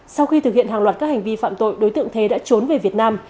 sau khi thực hiện hàng loạt các hành vi phạm tội đối tượng thế đã trốn về việt nam